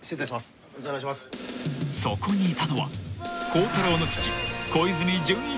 ［そこにいたのは］